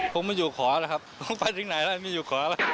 ผมไม่อยู่ขอแล้วครับผมไปถึงไหนแล้วไม่อยู่ขอแล้ว